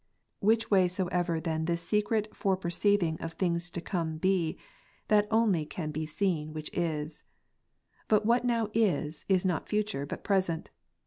24. Which way soever then this secret fore perceiving of things to come be ; that only can be seen, which is. But what now is, is not future, but present.